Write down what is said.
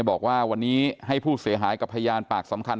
บอกว่าวันนี้ให้ผู้เสียหายกับพยานปากสำคัญ